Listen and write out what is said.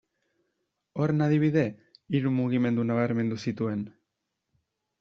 Horren adibide, hiru mugimendu nabarmendu zituen.